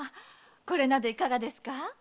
これなどいかがですか？